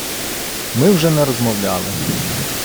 Ми вже не розмовляли.